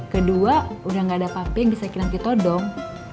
kedua udah gak ada papi yang bisa kinanti todong